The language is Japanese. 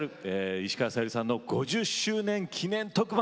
石川さゆりさんの５０周年記念特番。